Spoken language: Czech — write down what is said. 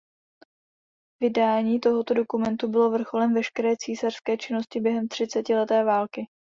Vydání tohoto dokumentu bylo vrcholem veškeré císařské činnosti během třicetileté války.